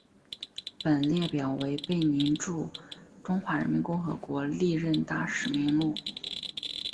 本列表为贝宁驻中华人民共和国历任大使名录。